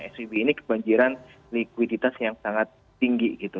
svb ini kebanjiran likuiditas yang sangat tinggi gitu